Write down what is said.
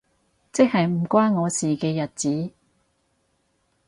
即係唔關我事嘅日子